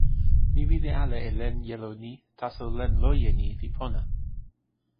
mi wile ala e len jelo ni, taso len loje ni li pona.